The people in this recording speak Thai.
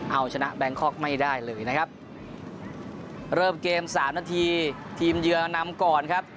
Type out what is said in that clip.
เอาชนะแบงคอกไม่ได้เลยนะครับเริ่มเกมสามนาทีทีมเยือนำก่อนครับ